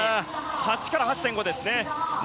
８から８．５ですね。